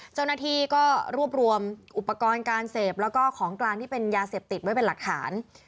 เจ้าหน้าที่ก็รวบรวมอุปกรณ์การเสพแล้วก็ของกลางที่เป็นยาเสพติดไว้เป็นหลักฐาน